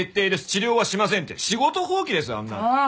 治療はしません」って仕事放棄ですよあんなの。